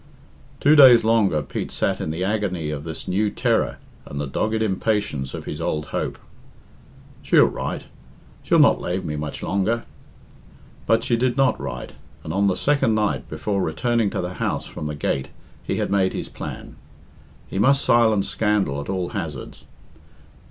Two days longer Pete sat in the agony of this new terror and the dogged impatience of his old hope. "She'll write. She'll not lave me much longer." But she did not write, and on the second night, before returning to the house from the gate, he had made his plan. He must silence scandal at all hazards.